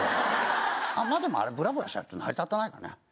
まあでもあれブラブラしなくちゃ成り立たないからね。